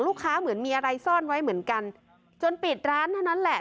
เหมือนมีอะไรซ่อนไว้เหมือนกันจนปิดร้านเท่านั้นแหละ